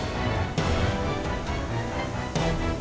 ya allah ya karim